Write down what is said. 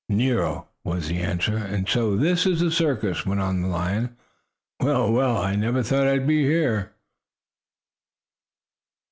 "Nero," was the answer. "And so this is a circus!" went on the lion. "Well, well! I never thought I'd be here!"